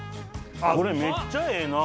これめっちゃええな！